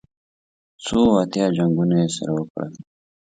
څو اتیا جنګونه یې سره وکړل.